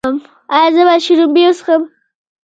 ایا زه باید شړومبې وڅښم؟